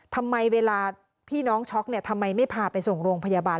ทำไมเวลาพี่น้องช็อกเนี่ยทำไมไม่พาไปส่งโรงพยาบาล